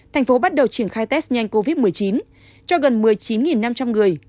thành phố bắt đầu triển khai test nhanh covid một mươi chín cho gần một mươi chín năm trăm linh người